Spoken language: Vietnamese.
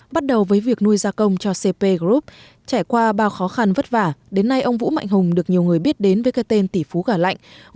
bắt đầu với việc nuôi gia công cho cp group trải qua bao khó khăn vất vả đến nay ông vũ mạnh hùng được nhiều người biết đến với cái tên tỷ phú gà lạnh